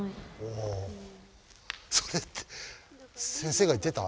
おそれって先生が言ってた？